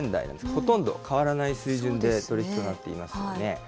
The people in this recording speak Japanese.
ほとんど変わらない水準での取り引きになっていますよね。